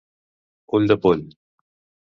Ull de poll.